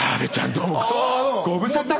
どうも！